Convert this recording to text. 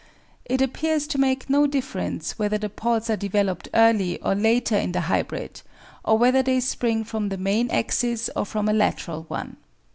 It appears to make no difference whether the pods are developed early or later in the hybrid or whether they spring from the main axis or from a lateral one.